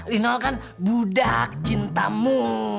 lino kan budak cintamu